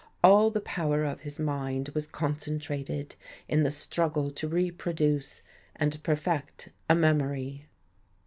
All the power of his mind was concentrated in the struggle to reproduce and perfect a memory.